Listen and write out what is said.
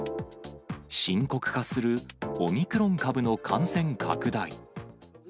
深刻化するオミクロン株の感染拡大。